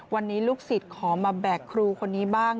วันนี้ลูกศิษย์ขอมาแบกครูคนนี้บ้าง